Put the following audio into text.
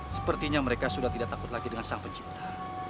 sepertinya mereka sudah tidak takut lagi dengan sang pencipta